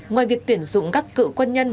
ngoài việc tuyển dụng các cựu quân nhân